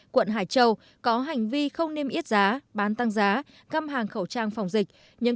quận hải châu có hành vi không niêm yết giá bán tăng giá căm hàng khẩu trang phòng dịch nhưng